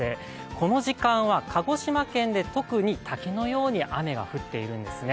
この時間は鹿児島県で特に滝のように雨が降っているんですね。